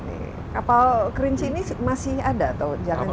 ini kapal kerinci ini masih ada atau jangan jangan